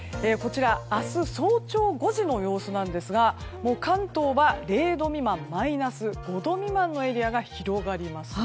明日早朝５時の様子なんですが関東は０度未満マイナス５度未満のエリアが広がります。